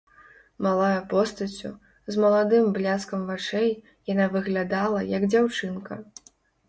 Малая постаццю, з маладым бляскам вачэй, яна выглядала, як дзяўчынка.